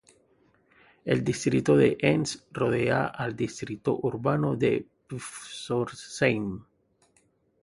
El Distrito de Enz rodea al distrito urbano de Pforzheim.